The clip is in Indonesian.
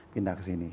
pindah ke sini